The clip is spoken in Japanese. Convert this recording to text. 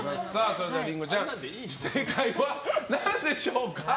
それでは、りんごちゃん正解は何でしょうか？